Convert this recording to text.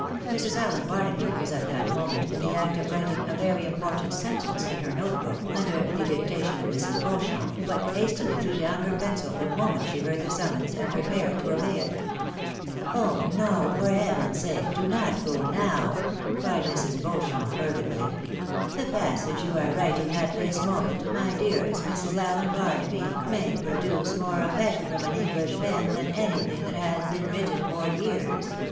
ilrs. Allen Barnaby was at that moment in the act of writing a very important sentence in her note book, under the dictation of Mrs. Beauchamp, but hastily threw down her pencil the moment she heard the summons, and prepared to obey it. " Oh no ! for Heaven's sake, do not go now," cried ]Mrs. Beau champ fervently. " The passage you are writing at this moment, my dearest Mrs. Allen Barnaby, may produce more effect from an English pen than anything that has been written for years.